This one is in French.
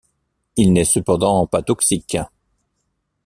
Il n'est cependant pas toxique.